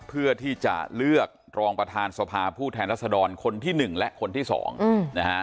เพื่อที่จะเลือกรองประธานสภาผู้แทนรัศดรคนที่๑และคนที่๒นะฮะ